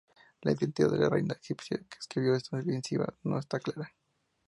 La identidad de la reina egipcia que escribió estas misivas no está clara.